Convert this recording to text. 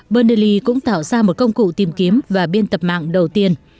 bernally cũng tạo ra một công cụ tìm kiếm và biên tập mạng đầu tiên